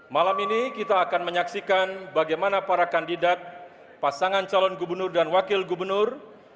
malam ini kita akan menyaksikan bagaimana para kandidat pasangan calon gubernur dan wakil gubernur